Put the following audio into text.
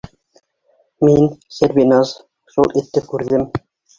Мин, Сәрбиназ, шул этте күрҙем.